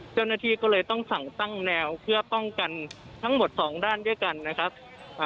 เจ้าหน้าที่ก็เลยต้องสั่งตั้งแนวเพื่อป้องกันทั้งหมดสองด้านด้วยกันนะครับ